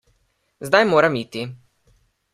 Zdaj moram iti.